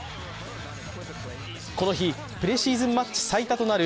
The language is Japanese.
この日、プレシーズンマッチ最多となる